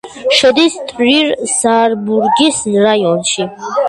შედის ტრირ-ზაარბურგის რაიონში.